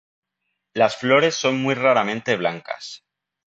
Las flores son muy raramente blancas.